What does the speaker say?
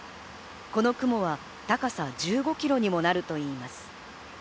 この雲は高さ１５ｋｍにもなるといいます。